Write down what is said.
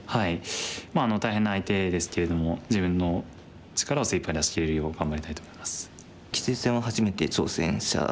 まあ大変な相手ですけれども自分の力を精いっぱい出しきれるよう頑張りたいと思います。